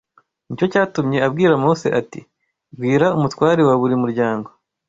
Ni cyo cyatumye abwira Mose ati bwira umutware wa buri muryango